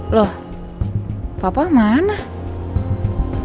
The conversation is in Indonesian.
itu sahabat aku namanya jesse